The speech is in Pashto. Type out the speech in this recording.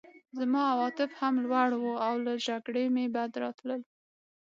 زما عواطف هم لوړ وو او له جګړې مې بد راتلل